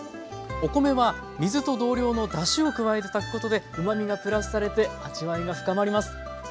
お米は水と同量のだしを加えて炊くことでうまみがプラスされて味わいが深まります。